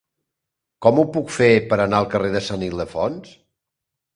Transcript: Com ho puc fer per anar al carrer de Sant Ildefons?